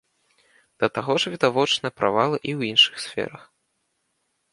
Да таго ж відавочныя правалы і ў іншых сферах.